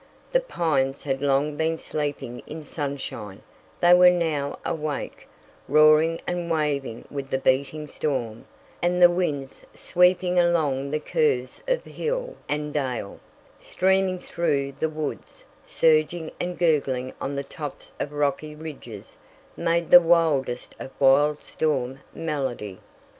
The pines had long been sleeping in sunshine; they were now awake, roaring and waving with the beating storm, and the winds sweeping along the curves of hill and dale, streaming through the woods, surging and gurgling on the tops of rocky ridges, made the wildest of wild storm melody.